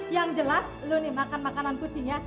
yang jelas lo nih makan makanan kucinya